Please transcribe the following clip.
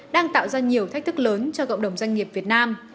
đang tạo ra nhiều thách thức lớn cho cộng đồng doanh nghiệp việt nam